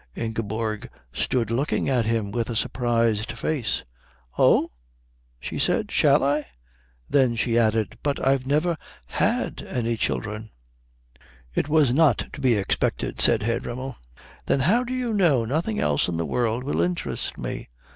Ingeborg stood looking at him with a surprised face. "Oh?" she said. "Shall I?" Then she added, "But I've never had any children." "It was not to be expected," said Herr Dremmel. "Then how do you know nothing else in the world will interest me?"